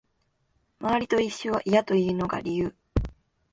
周りと一緒は嫌というのが理由